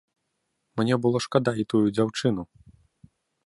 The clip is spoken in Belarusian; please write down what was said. Мне было шкада і тую дзяўчыну.